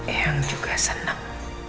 eyang juga senang